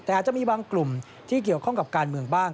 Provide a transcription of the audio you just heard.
แต่อาจจะมีบางกลุ่มที่เกี่ยวข้องกับการเมืองบ้าง